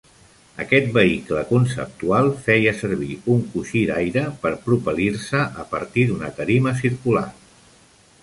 Aquest vehicle conceptual feia servir un coixí d'aire per propel·lir-se a partir d'una tarima circular.